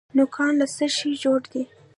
نوکان له څه شي جوړ دي؟